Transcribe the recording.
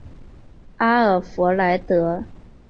阿尔弗莱德？